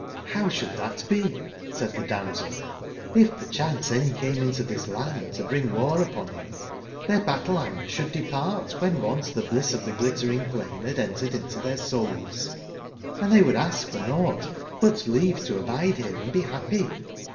''Row sbould tbat be?" said tbe damscL *'Xf percbance any came into tbis land to bring war upon bim, tbeir battle/anger sbould de part wben once tbe bliss of tbe Glittering plain bad entered into tbeir souls, and tbey would ask for nougbt but leave to abide bere and be bappy.